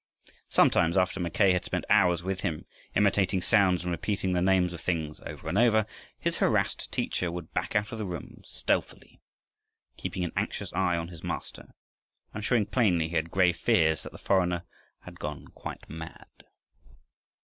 Sometimes after Mackay had spent hours with him, imitating sounds and repeating the names of things over and over, his harassed teacher would back out of the room stealthily, keeping an anxious eye on his master, and showing plainly he had grave fears that the foreigner had gone quite mad.